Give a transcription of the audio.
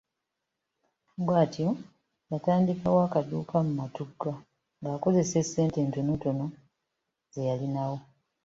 Bw’atyo yatandikawo akaduuka mu Matugga ng’akozesa essente entonotono ze yalinawo.